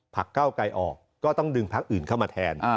เก้าไกลออกก็ต้องดึงพักอื่นเข้ามาแทน